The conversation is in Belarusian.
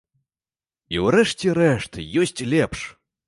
І ўрэшце рэшт ёсць лепш.